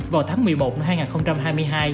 vào tháng một mươi một năm hai nghìn hai mươi hai